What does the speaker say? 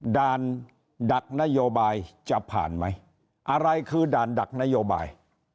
ด่านดักนโยบายจะผ่านไหมอะไรคือด่านดักนโยบาย